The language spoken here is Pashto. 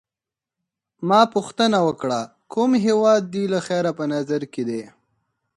ما پوښتنه وکړه: کوم هیواد دي له خیره په نظر کي دی؟